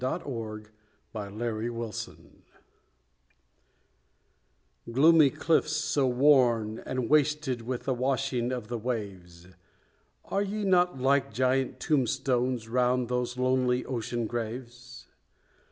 Drowned at Sea Gloomy cliffs, so worn and wasted with the washing of the waves, Are ye not like giant tombstones round those lonely ocean graves?